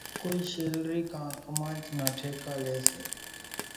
ڪونئين شيلرِي ڪان ڪمانج نا ٺيڪا ليئيَ سي۔